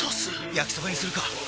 焼きそばにするか！